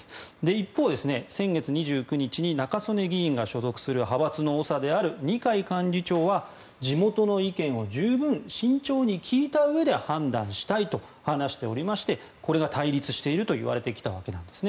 一方、先月２９日に中曽根議員が所属する派閥の長である二階幹事長は、地元の意見を十分慎重に聞いたうえで判断したいと話しておりましてこれが対立していると言われてきたわけなんですね。